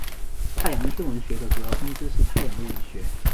太阳天文学的主要分支是太阳物理学。